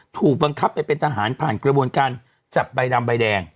ถูกบังคับไปเป็นทหารผ่านกระบวนการจับใบดำใบแดง